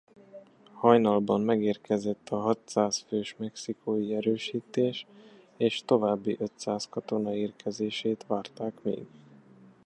Hajnalban megérkezett a hatszáz fős mexikói erősítés és további ötszáz katona érkezését várták még.